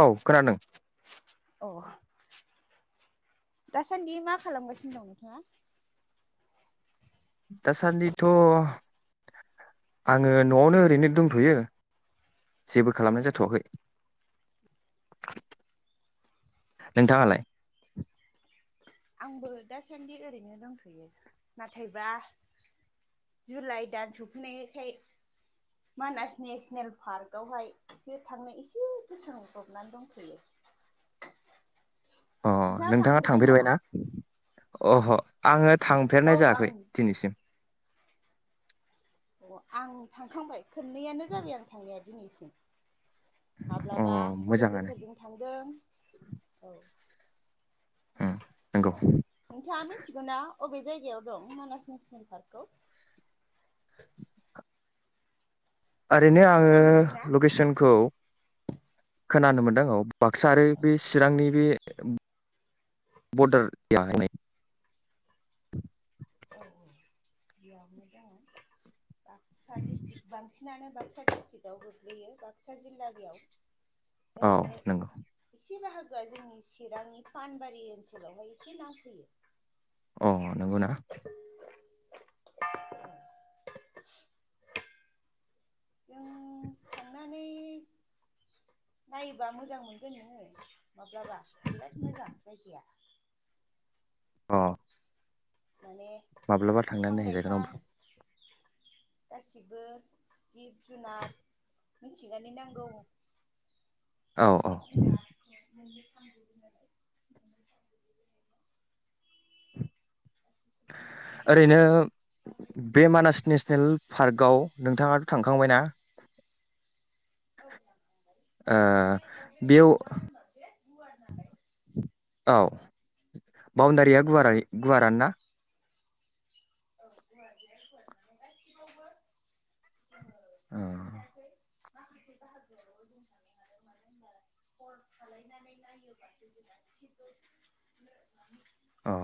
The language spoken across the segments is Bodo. औ खोनादों। दा सान्दि मा खालामगासिनो दं नोंथाङा? दासान्दिथ' आङो न'आवनो ओरैनो दंथ'यो। जेबो अ खालामनाय जाथ'वाखै। नोंथाङाआलाय? आंबो दासान्दि ओरैनो दंथ'यो नाथायबा जुलाइ दान सफैनायखाय मानास नेसनेल पार्क आवहाय एसे थांनो एसे गोसांब्रबनानै दंथ'यो। अ नोंथाङा थांफेरबाय नामा? थांफेरबायना? अह' आङो औ थांफेरनाय आं जायाखै दिनैसिम। अह आं थांखांबाय खननैयानो जाबाय आं थांनाया दिनैसिम। अ माब्लाबा मोजाङानो लोगोफोरजों थांदों औ। उम नंगौ। नोंथाङा मिथिगौ ना अबे जायगायाव दं मानास नेसनेल पार्कखौ? ओरैनो खोना आङो मोनदोंना? लकेसनखौ खोनानो मोनदों औ। बाक्सा आरो औ बे चिरांनि बे [unintelligible] औ औ बेयावनो दङ बाक्सा दिस्ट्रिक्ट बांसिनानो बाक्सा डिस्ट्रिक्टआव गोग्लैयो बाक्सा जिल्लायाव। औ ओरैनो नंगौ एसे बाहागो आ जोंनि चिरांनि फानबारि ओनसोलावहाय एसे नांफैयो। अ नंगौना? [inaudible] जों थांनानै नायोबा मोजां मोनगोन नोङो। माब्लाबा बिराद मोजां जायगाया। अ। माने माब्लाबा थांनानै बिफां नायहैजागोन लाइफां अब्ला। गासिबो जिब जुनार मिथिंगानि नांगौ औ औ। जिब [unintelligible] गासिखौबो नुनो मोनो ओरैनो बिफां बे लाइफांनि मानास नेसनेल पार्कआव नोंथाङाथ' थांखांबायना? औ दानखांबाय ओ माखासे जायगायाव बेरायनो बेयाव हादों मानो होनबा बिराद गुवार नालाय औ। बाउन्दारिया औ गुवारारि गुवारानो ना? औ गुवार बिराद गुवार गासिबावबो जोङो ओ। थांजोबनो हायाखै माखासे बाहागोआवल' जों थांदोंनालाय मानो होनबा हर थालायनानै नायोब्लासो जों गासिबो नुनो मोनो। अ।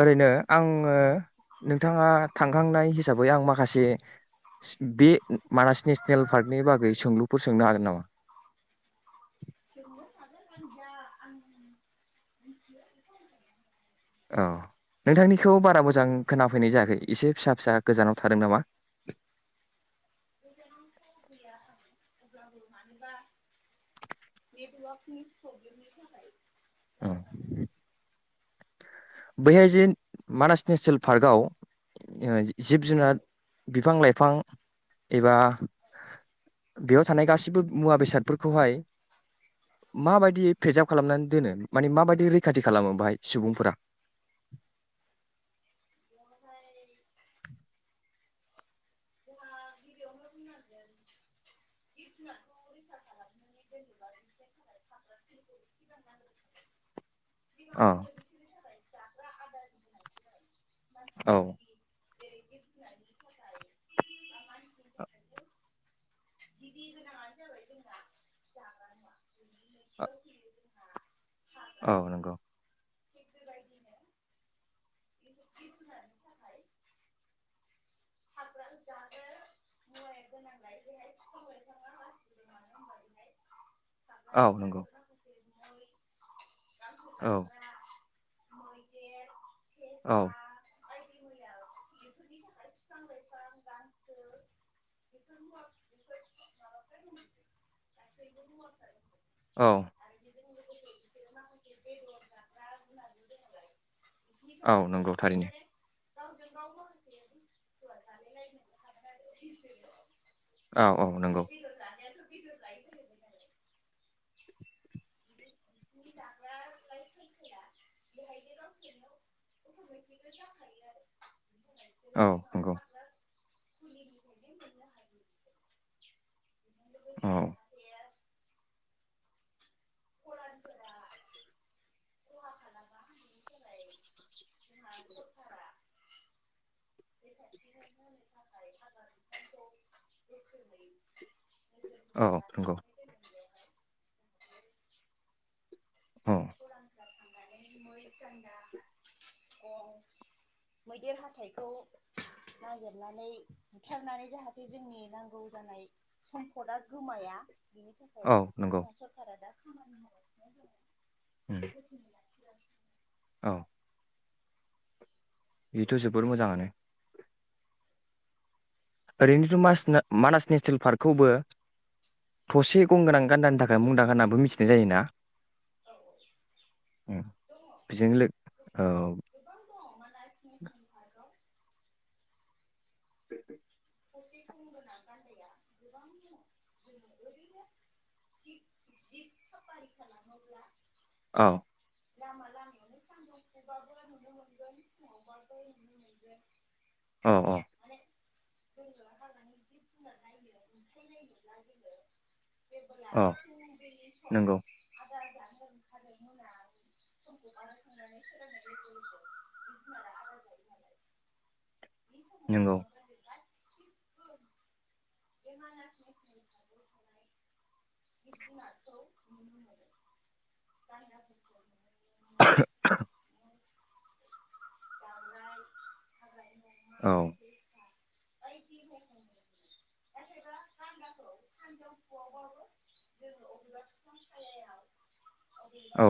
ओरैनो आङो नोंथाङा थांखांनाय हिसाबै आं माखासे बे मानास नेसनेल पार्कनि बागै सोंलुफोर सोंनो हागोन नामा? [inaudible] औ नोंथांनिखौ बारा मोजां खोनाफैनाय जायाखै एसे फिसा फिसा गोजानाव थादों नामा? गोजानावथ' गैया आं अब्लाबो मानोबा नेटवारकनि प्रब्लेमनि थाखाय ओं जादों जानांगौ। बैहाय जे मानास नेसनेल पार्कआव जे जिब औ जुनार बिफां लाइ फां एबा बेयाव थानाय गासिबो मुवा बेसादफोरखौहाय माबायदि प्रेेजार्भ खालामनानै दोनो माने माबायदि रैखाथि खालामो बाहाय सुबुंफोरा? [inaudible] दानोहाय जोंहा गिबियावनो बुंनांगोन जिब-जुनारखौ रैखा खालामनानै दोन्नोबा जेनेबा सांग्रांथि दिन्थिलांनांगोन। अ सिगाङाव दिनै बिसिनि थाखाय जाग्रा आदारनि गोनांथि जायो औ मानसिनि गिबि जेरै जिब-जुनारनि थाखाय बा मानसिनि थाखायबो गिबि गोनाङानो जाबाय जोंहा जाग्रा मुवा बिनि नैथियाव फैयो जोंहा थाग्रा औ खुलि नंगौ [unintelligible] सामब्राम जानो मुवा गोनां जायोलाय जेरै बिफां लाइफां औ नंगौ। गांसो औ। जाग्रा मैदेर। औ। सेसा बायदि मैया बेफोरनि थाखाय। बिफां लाइफां गासै बेफोर गासैबो मुवाफ्रानो। औ। सिहोर माखासे बेदर जाग्रा जुनादनि औ नंगौ थारैनो। गांवजों गाव माखासे। [unintelligible] औ औ नंगौ। माने बेदर [inaudible] बिसोर औ सिगाङाव नंगौ। [inaudible] औ। लोगोसे जाहाथे [inaudible] [inaudible] जोंहा सरकारा [unintelligible] औ नंगौ। लाखिनानै दोनदों बेवहाय जाहाथे औ मैदेर हाथाइखौ नागिरनानै बुथारनानै जाहाथे जोंनि नांगौ जानाय सम्फदा गोमाया। बिनि थाखाय औ नंगौ सरकारा दा ख [inaudible] उम [inaudible] ज [inaudible] औ बेथ जोबोर मोजांङानो ओरैनोथ मानास नेसनेल पार्कखौबो थसे गंगोनां गान्दानि थाखाय मुंदांखा होनानै मिथिनाय जायोना उम बेजोंनो लोगो औ [inaudible] दङ जोथोन लागासिनो दङ गोबां दङ मानास नेसनेल पार्कआव [inaudible] औ लामा लामायावनो सानजौफुबाबो नुनो मोनगोन फुंङावबाबो नुनो मोनगोन औ औ [inaudible] औ फुंबिलि सम नंगौ [unintelligible] नंगौ [unintelligible] मै [unintelligible] दावराइ हाग्रानि अमा औ सेसा [unintelligible] औ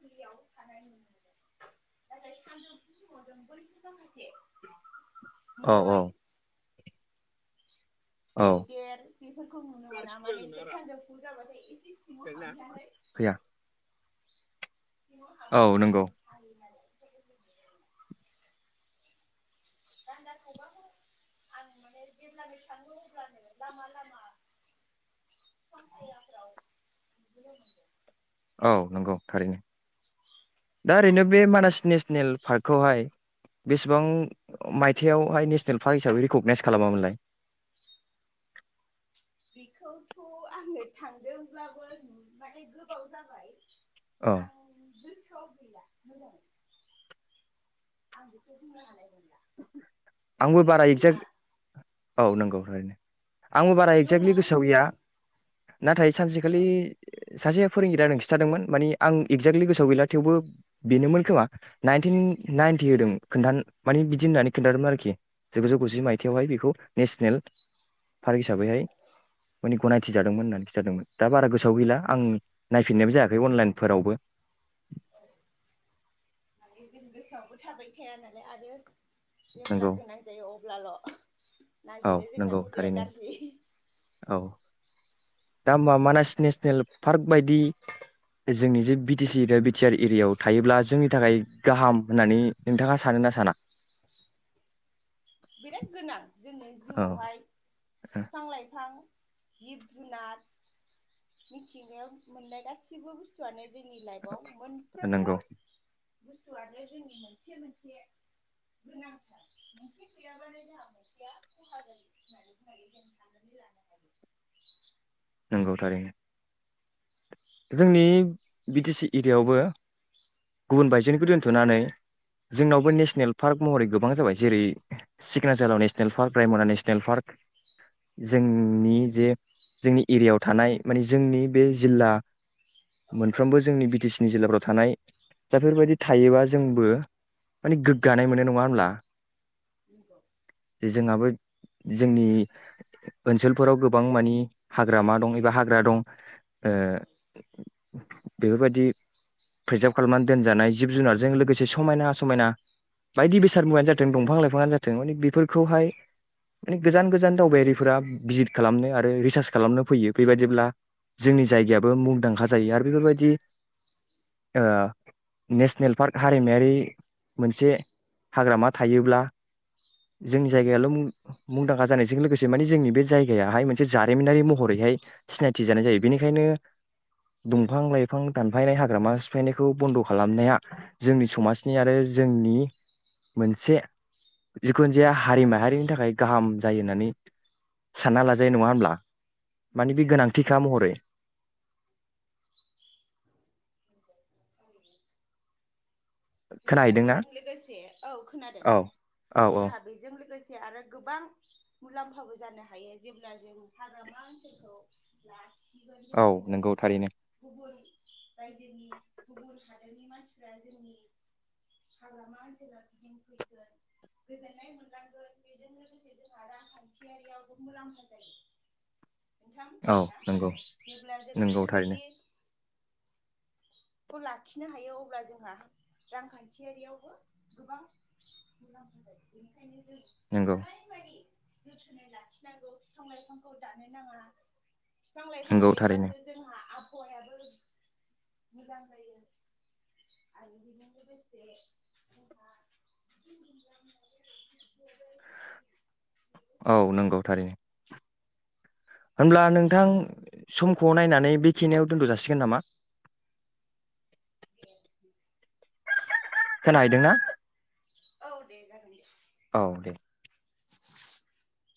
फयाव थानाय नाथाय सानजौफु समाव जों बयबो माखासे औ मै औ औ मैदेर बेफोरखौ नुनो मोना माने बिसोर सानजोबफु जाबाथाय एसे सिङाव हाबनानै फैया औ नंगौ [unintelligible] [unintelligible] दान्दाखौबो आं माने जेब्लानो थांङो अब्लानो लामा लामा बिफां सायहाफ्राव नुनो मोनोन औ नंगौ थारैनो दा ओरैनो बे मानास नेसनेल पार्कखौहाय बेसेबां मायथायाइयावहाय नेसनेल पार्क हिसाबै रिकगनाइस खालामामोनलाय? बेखौथ आंङो थांदोंब्लाबो माने गोबाव जाबाय औ आं ज गोसोआव गैला मोजां आं बेखौ बुंनो हानाय नंला आंबो बारा एक्जेक्ट ओरैनोथ' औ नंगौ ओरैनो आंबो बारा एगजेक्लि जोंहा दङ गोसोआव गैया लिरनाय नाथाय सानसेखालि ओ सासे फोरोंगिरियां खिन्थादोंमोन मानि आं एक्जेक्टलि गोसोआव गैला थेवबो बेनोमोन खोमा नाइनटिन नाइनटि होदों खोन्थान माने बिदि होननानै खिन्थादोंमोन आरोखि जिगुजौ गुजि माइथाइावहाय बेखौ नेसनेल पार्क हिसाबैहाय मे गनायथि जादोंमोन होननानै जादोंमोन दा बारा गोसोआव गैला आं नायफिननायबो जायाखै अनलाइनफोरावबो माने जों गोसोआवबो थाबाय थाया नालाय आरो जेब्ला नंगौ गोनां जायो अब्लाल' औ नागिरो जोंना नंगौ हुदाया थारैनो गाज्रि औ दा मा मानास नेसनेल पार्क बायदि जोंनि जे B T C area B T R एरियायाव थायोब्ला जोंनि थाखाय गाहाम होननानै नोंथाङा सान ना साना? बिराद गोनां जोंनो औ जिउआवहाय फिफां-लाइफां जिब जुनार मिथिंगायावमोननाय गासिबो बुस्थुआनो जोंनि लाइफआव मोनफ्रोमबो नंगौ बुस्थुआनो जोंनि मोनसे मोनसे गोनांथार। [inaudible] औ थारैनो जोंनि बि टि सि एरियायावबो गुबुन बायजोनिखौ दोनथ'नानै जोंनावबो नेसनेल पार्क महरै गोबां जाबाय जेरै- सिखना जोहोलाव national park, Raimona national park जोंनि जे जोंनि एरियायाव थानाय माने जोंनि बे जिल्ला औ मोनफ्रोमबो जोंनि बि टि सि नि जिल्लाफ्राव थानाय बेफोरबायदि थायोबा जोंबो माने गोगगानाय मोनो नङा होनब्ला? [inaudible] जोंहाबो जोंनि ओनसोलफोराव गोबां मानि हाग्रामा दं एबा हाग्रा दं ओ बेफोरबायदि प्रिजार्भ खालामनानै दोनजानाय जिब- जुनारजों लोगोसे समायना समायना बायदि बेसाद मुवानो जाथों दंफां लाइफाङानो जाथों मान बेफोरखौहाय माने गोजान गोजान दावबायारिफोरा भिजित खालामनो आरो रिसार्च खालामनो फैयो बेबायदिब्ला जोंनि जायगाया बो मुंदांखा जायो आरो बेफोरबायदि ओ नेसनेल पार्क हारिमायारि मोनसे हाग्रामा थायोब्ला जोंनि जायगायाल' मुंदांखा जानायजों लोगोसे माने जोंनि बे जायगायाहाय मोनसे जारिमिनारि महरैहाय सिनायथि जानाय जायो बेनिखायनो दंफां लाइफां दानफायनाय हाग्रामा सिफायनायखौ बन्द खालामनाया जोंनि समाजनि आरो जोंनि मोनसे जिखुनु जाया हारि माहारिनि थाखाय गाहाम जायो होननानै सानना लाजायो नङा होमब्ला? मानि नंगौ नंगौ बे गोनांथिखा महरै [inaudible] जोंहा खोनाहैदोंना बेजों लोगोसे औ खोनादों औ औ औ जोंहा बेजों लोगोसे से आरो गोबां मुलाम्फाबो जानो हायो जेब्ला जों हाग्रामा ओनसोलखौ [inaudible] औ नंगौ अब्ला थारैनो गुबुन बायजोनि गुबुन हादोरनि मानसिफ्रा जोंनि हाग्रामा ओनसोलाव गिदिं फैगोन गोजोननाय मोनलांगोन बेजों लोगोसे जोंहा रांखान्थियारियावबो मुलाम्फा जायो। नोंथां औ मिथिगौ ना नंगौ जेब्ला जों नंगौ थारैनो बेफोरबायदि खौ लाखिनो हायो अब्ला जोंहा रांखान्थियारियावबो गोबां मुलामफा जायो बेनिखायनो जों नंगौ हानायमानि जोथोनै लाखिनांगौ फिफां-लाइफांखौ दानो नाङा। फिफां-लाइफां नंगौ थारैनो थायोबासो जोंहा आब हौवायाबो मोजां [inaudible] जायो आरो बेजों लोगोसे जोंहा [inaudible] औ नंगौ थारैनो होनब्ला नोंथां समखौ नायनानै बेखिनियाव दोनथ जासिगोन नामा? [inaudible] खोनाहैदोंना? औ दे जागोन दे औ दे [inaudible]